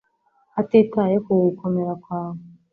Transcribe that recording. Hatitaye ku gukomera kwawe